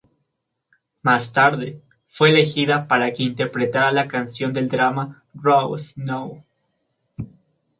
Más tarde, fue elegida para que interpretara la canción del drama "Road No.